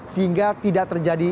sehingga tidak terjadi